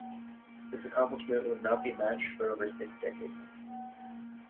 This accomplishment would not be matched for over six decades.